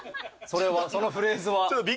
そのフレーズは。